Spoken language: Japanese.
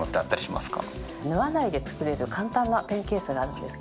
縫わないで作れる簡単なペンケースがあるんですけれども。